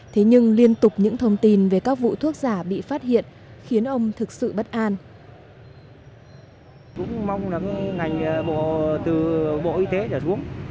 thế nhưng liên tục những thông tin về các vụ thuốc giả bị phát hiện khiến ông thực sự bất an